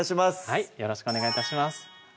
はいよろしくお願い致します